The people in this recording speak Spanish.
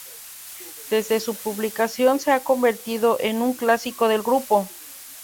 Desde su publicación se ha convertido en un clásico del grupo.